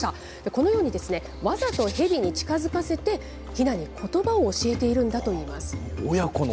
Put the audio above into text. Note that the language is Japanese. このようにわざとヘビに近づかせて、ひなにことばを教えているんだといいます。